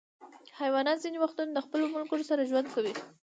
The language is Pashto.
حیوانات ځینې وختونه د خپلو ملګرو سره ژوند کوي.